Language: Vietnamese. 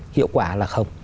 hiệu quả là không